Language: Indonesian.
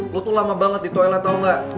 lo tuh lama banget di toilet tau gak